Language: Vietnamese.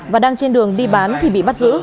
và đang trên đường đi bán thì bị bắt giữ